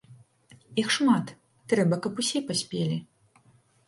Іх шмат, трэба каб усе паспелі.